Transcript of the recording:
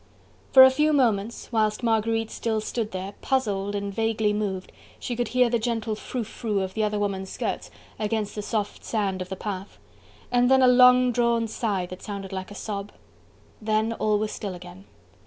For a few moments, whilst Marguerite still stood there, puzzled and vaguely moved, she could hear the gentle frou frou of the other woman's skirts against the soft sand of the path, and then a long drawn sigh that sounded like a sob. Then all was still again.